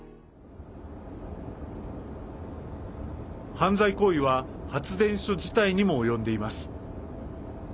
犯罪行為は発電所自体にも及んでいます。